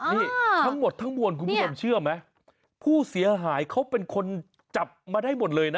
นี่ทั้งหมดทั้งมวลคุณผู้ชมเชื่อไหมผู้เสียหายเขาเป็นคนจับมาได้หมดเลยนะ